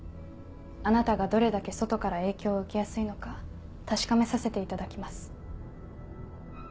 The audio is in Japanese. あなたがどれだけ外から影響を受けやすいのか確かめさせていただきます。